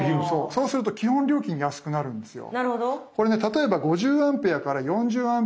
そうすると基本料金安くなるんですよ。